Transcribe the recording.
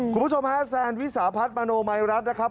คุณผู้ชมฮะแซนวิสาพัฒน์มโนมัยรัฐนะครับ